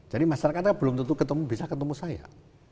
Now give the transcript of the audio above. jadi masyarakatnya belum tentu bisa ketemu saya